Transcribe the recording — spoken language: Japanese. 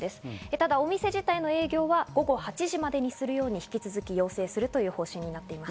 ただ、お店自体の営業は午後８時までにするように引き続き要請するという方針になっています。